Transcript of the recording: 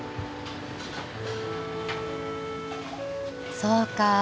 そうか。